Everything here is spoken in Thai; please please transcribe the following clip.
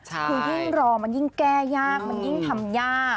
คือยิ่งรอมันยิ่งแก้ยากมันยิ่งทำยาก